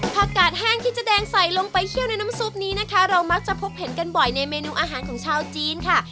กาดแห้งที่เจ๊แดงใส่ลงไปเคี่ยวในน้ำซุปนี้นะคะเรามักจะพบเห็นกันบ่อยในเมนูอาหารของชาวจีนค่ะ